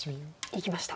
いきました。